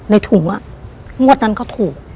ในถุงอ่ะมวดนั้นก็ถูก